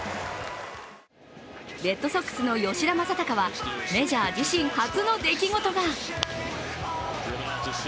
レッドソックスの吉田正尚はメジャー自身初の出来事が。